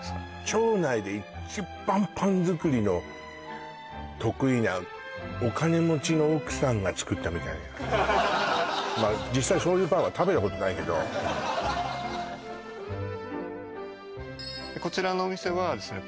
町内で一番パン作りの得意なお金持ちの奥さんが作ったみたいな実際そういうパンは食べたことないけどこちらのお店はですね